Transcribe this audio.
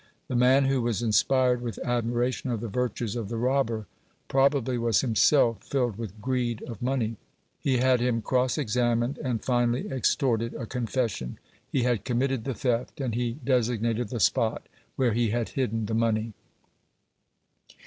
The man who was inspired with admiration of the virtues of the robber, probably was himself filled with greed of money. He had him cross examined, and finally extorted a confession. He had committed the theft, and he designated the spot where he had hidden the money.